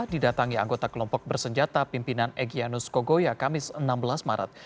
didatangi anggota kelompok bersenjata pimpinan egyanus kogoya kamis enam belas maret